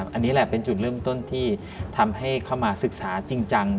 อันนี้แหละเป็นจุดเริ่มต้นที่ทำให้เข้ามาศึกษาจริงจัง